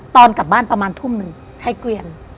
ตอนกลับบ้านประมาณทุ่มหนึ่งใช้เกวียน